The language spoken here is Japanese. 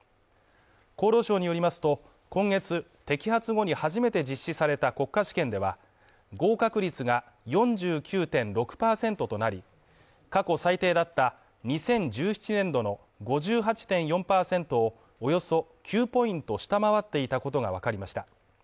厚労省によりますと、今月摘発後に初めて実施された国家試験では合格率が４９．６％となり、過去最低だった２０１７年度の５８．４％を、およそ９ポイント下回っていたことがわかりました。